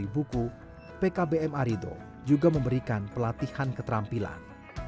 pkbm arido juga memberikan pelatihan keterampilan